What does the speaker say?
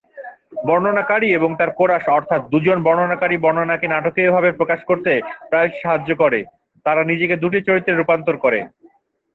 বর্ণনাকারী এবং তাঁর কোরাস অর্থাৎ দুজন বর্ণনাকারী-বর্ণনাকে নাটকীয়ভাবে প্রকাশ করতে প্রায়শই সাহায্য করে, তারা নিজেকে দুটি চরিত্রে রূপান্তর করে।